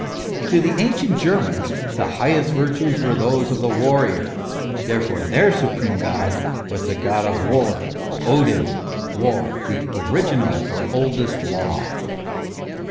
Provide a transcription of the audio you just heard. To the ancient Germans the highest virtues were those of the warrior ; therefore, their supreme god was the god of war, Odin, war, " the original or oldest law."